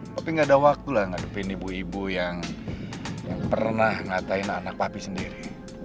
tapi gak ada waktu lah ngadepin ibu ibu yang pernah ngatain anak papi sendiri